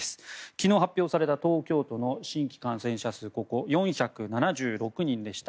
昨日発表された東京都の新規感染者数４７６人でした。